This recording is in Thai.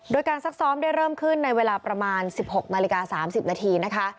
โดยการซักซ้อมได้เริ่มขึ้นในเวลาประมาณ๑๖นาฬิกา๓๐นาทีนะคะ